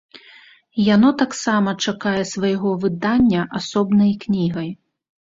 Яно таксама чакае свайго выдання асобнай кнігай.